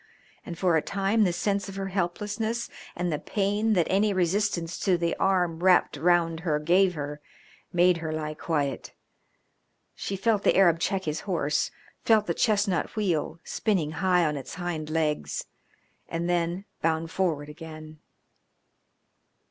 And for a time the sense of her helplessness and the pain that any resistance to the arm wrapped round her gave her made her lie quiet. She felt the Arab check his horse, felt the chestnut wheel, spinning high on his hind legs, and then bound forward again.